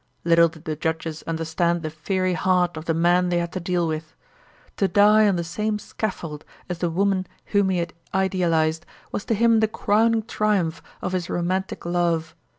Little did the judges understand the fiery heart of the man they had to deal with. To die on the same scaffold as the woman whom he had idealized was to him the crowning triumph of his romantic love.